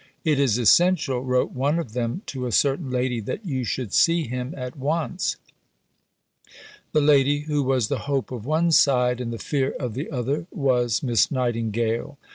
"It is essential," wrote one of them to a certain lady, "that you should see him at once." The lady, who was the hope of one side and the fear of the other, was Miss Nightingale.